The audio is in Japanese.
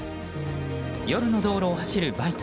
夜の道路を走るバイク。